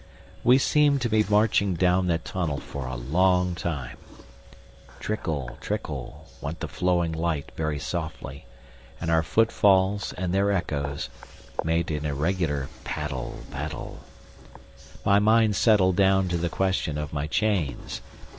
We seemed to be marching down that tunnel for a long time. "Trickle, trickle," went the flowing light very softly, and our footfalls and their echoes made an irregular paddle, paddle. My mind settled down to the question of my chains.